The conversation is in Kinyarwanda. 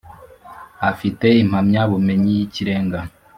afite impamya bumenyi yikirenga